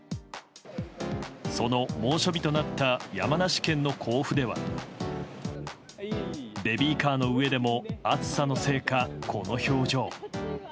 その猛暑日となった山梨県の甲府ではベビーカーの上でも暑さのせいか、この表情。